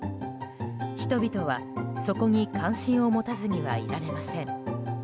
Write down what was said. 人々は、そこに関心を持たずにはいられません。